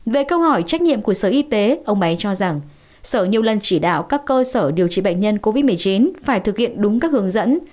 về câu hỏi trách nhiệm của sở y tế ông ấy cho rằng sở nhiều lần chỉ đạo các cơ sở điều trị bệnh nhân covid một mươi chín phải thực hiện đúng các hướng dẫn